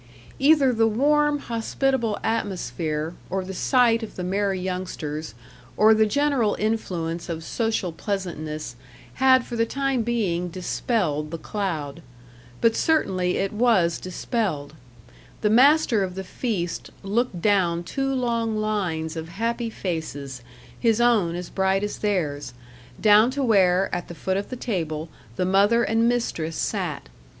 Either the warm, hospitable atmosphere, or the sight of the merry youngsters, or the general influence of social pleasantness, had for the time being dispelled the cloud. But certainly it was dispelled. The master of the feast looked down two long lines of happy faces his own as bright as theirs down to where, at the foot of the table, the mother and mistress sat.